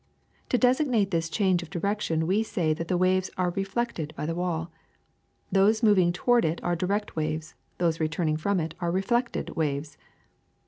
To designate this change of direction we say that the waves are reflected by the wall. Those moving to ward it are direct waves ; those returning from it are reflected waves.